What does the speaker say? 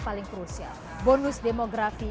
paling krusial bonus demografi